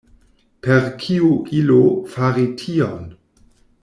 Per kiu ilo fari tion?